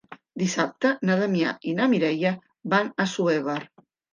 Dissabte na Damià i na Mireia van a Assuévar.